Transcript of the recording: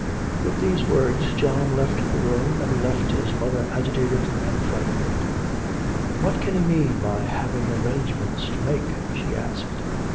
With these words John left the room, and he left his mother agitated and frightened. 'What can he mean by having arrangements to make?' she asked.